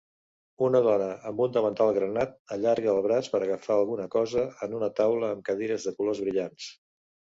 Una dona amb un davantal granat allarga el braç per agafar alguna cosa en una taula amb cadires de colors brillants.